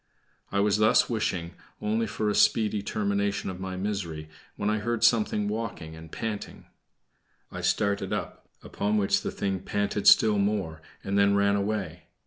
I was thus wishing only for a speedy termination of my misery, when I heard something walking and panting. I started up, upon which the thing panted still more, and then ran away.